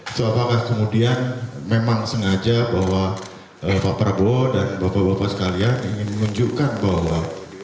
itu apakah kemudian memang sengaja bahwa pak prabowo dan bapak bapak sekalian ingin menunjukkan bahwa